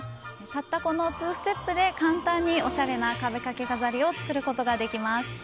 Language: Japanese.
たったこの２ステップで簡単におしゃれな壁掛け飾りを作ることができます。